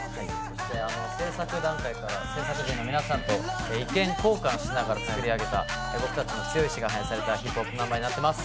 制作段階から制作時の皆さんと意見交換しながら作り上げた僕たちの強い意思が反映されたヒップホップナンバーになっています。